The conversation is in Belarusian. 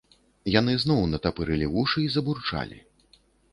Яны зноў натапырылі вушы і забурчалі.